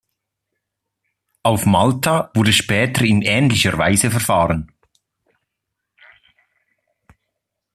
Auf Malta wurde später in ähnlicher Weise verfahren.